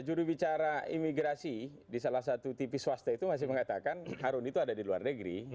jurubicara imigrasi di salah satu tv swasta itu masih mengatakan harun itu ada di luar negeri